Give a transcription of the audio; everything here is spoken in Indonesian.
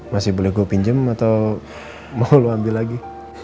masih boleh gue pinjem atau mau lo ambil lagi